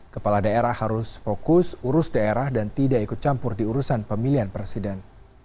kepala daerah harus fokus urus daerah dan tidak ikut campur di urusan pemilihan presiden